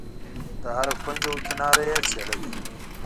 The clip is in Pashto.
له هره کونج و کناره یې څېړلې.